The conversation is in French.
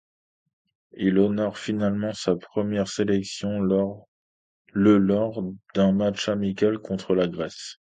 Il honore finalement sa première sélection le lors d'un match amical contre la Grèce.